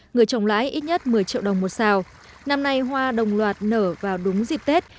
người trồng lái ít nhất một mươi triệu đồng một xào năm nay hoa đồng loạt nở vào đúng dịp tết